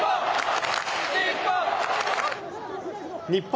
日本！